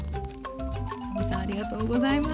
真海さんありがとうございます。